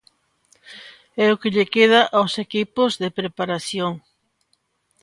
E o que lle queda os equipos de preparación.